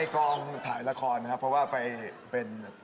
ก็เลยสนิทกัน